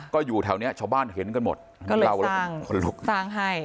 ก็อยู่แถวเนี้ยชาวบ้านเห็นกันหมดก็เลยสร้างสร้างให้